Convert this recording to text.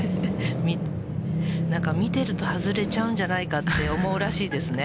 見てると外れちゃうんじゃないかって思うらしいですね。